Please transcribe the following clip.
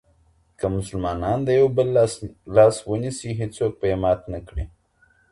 که مسلمانان د یو بل لاس ونیسي هیڅوک به يې مات نه کړي.